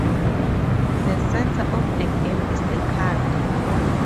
The center of the game is the card.